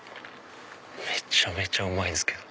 めちゃめちゃうまいんですけど。